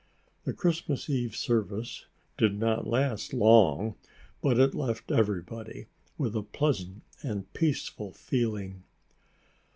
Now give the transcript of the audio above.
The Christmas eve service did not last long, but it left everybody with a pleasant and peaceful feeling.